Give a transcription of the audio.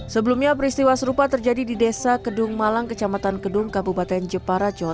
sebelumnya peristiwa serupa terjadi di desa kedung malang kecamatan kedung kabupaten jepara jawa